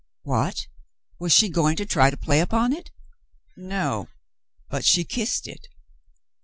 What '^ Was she going to try to play upon it ^ No, but she kissed it.